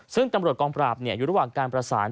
ซึ่งตำรวจกองปราบอยู่ระหว่างการประสาน